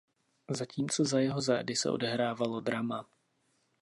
Zatímco za jeho zády se odehrávalo drama.